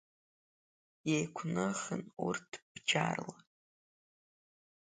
Еиқәныхын урҭ бџьарла.